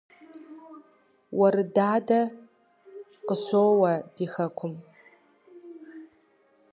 Уэрыдадэ къыщоуэ ди хэкум